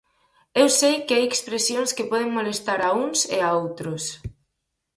Eu sei que hai expresións que poden molestar a uns e a outros.